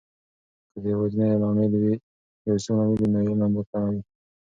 که د یواځیتوب لامل وي، نو علم به کمه وي.